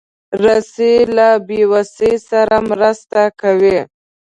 رسۍ له بېوسۍ سره مرسته کوي.